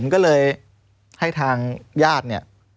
ก็เลยให้ทางญาติเนี่ย